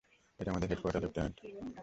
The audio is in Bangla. এটা আমাদের হেডকোয়ার্টার, লেফটেন্যান্ট।